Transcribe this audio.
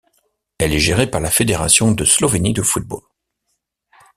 Elle est gérée par la Fédération de Slovénie de football.